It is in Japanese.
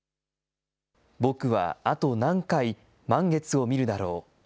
ぼくはあと何回、満月を見るだろう。